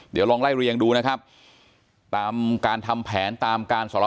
ไปทำแผนจุดเริ่มต้นที่เข้ามาที่บ่อนที่พระราม๓ซอย๖๖เลยนะครับทุกผู้ชมครับ